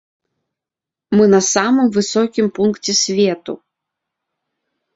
Мы на самым высокім пункце свету.